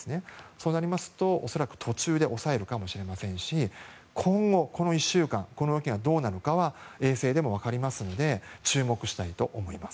そうなりますと恐らく途中で抑えるかもしれませんし今後、この１週間この動きがどうなるのかは衛星でも分かりますので注目したいと思います。